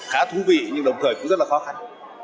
khá thú vị nhưng đồng thời cũng rất là khó khăn